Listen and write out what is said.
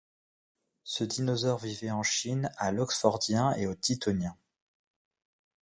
Ce dinosaure vivait en Chine à l'Oxfordien et au Tithonien.